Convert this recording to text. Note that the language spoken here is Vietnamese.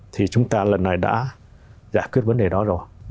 thì chúng ta lần này đã giải quyết vấn đề đó rồi